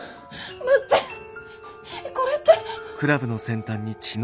待ってえこれって。